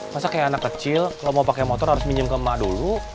masa kayak anak kecil kalau mau pakai motor harus minjem ke emak dulu